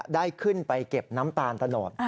ได้ขึ้นไปเก็บน้ำตาลตะโนด